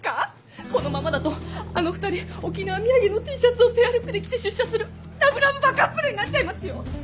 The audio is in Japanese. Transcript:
このままだとあの２人沖縄土産のＴシャツをペアルックで着て出社するラブラブバカップルになっちゃいますよ！